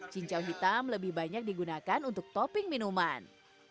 cincau hitam lebih banyak digunakan untuk topping minuman